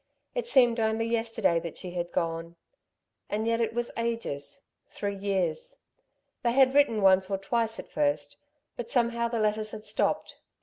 It seemed only yesterday that she had gone ... and yet it was ages three years. They had written once or twice at first, but somehow the letters had stopped.